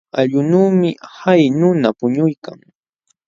Allqunuumi hay nuna puñuykan.